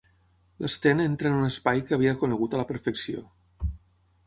L'Sten entra en un espai que havia conegut a la perfecció.